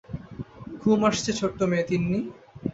ঘুম আসছে ছোট্ট মেয়ে তিন্নি?